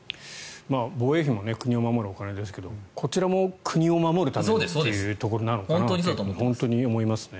防衛費も国を守るお金ですがこちらも国を守るお金なのかなと本当に思いますね。